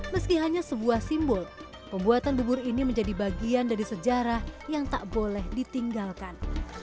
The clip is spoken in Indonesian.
meski hanya sebuah simbol pembuatan bubur ini menjadi bagian dari sejarah yang tak boleh ditinggalkan